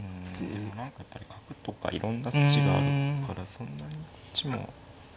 何かやっぱり角とかいろんな筋があるからそんなにこっちも。